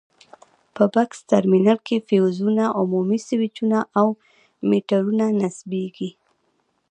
په بکس ترمینل کې فیوزونه، عمومي سویچونه او میټرونه نصبېږي.